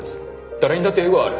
誰にだってエゴはある。